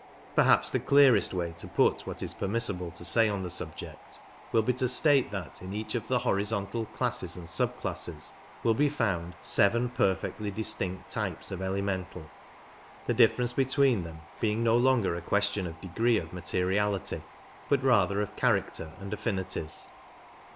Perhaps the clearest way to put what it is permissible to say on the subject will be to state that in each of the horizontal classes and sub classes will be found seven perfectly distinct types of ele mental, the difference between them being no longer a question of degree of materiality, but rather of character and affinities.